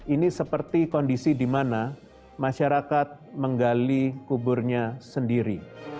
ini seperti kondisi di mana masyarakat menggali kuburnya sendiri